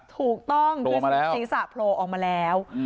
ถูกต้องสีสาโผล่ออกมาแล้ว